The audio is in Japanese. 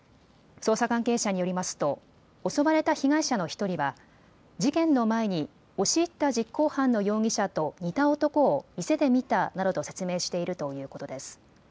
捜査関係者によりますと襲われた被害者の１人は事件の前に押し入った実行犯の容疑者と似た男を店で見たなどと説明しているということです。